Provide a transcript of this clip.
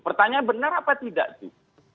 pertanyaan benar apa tidak sih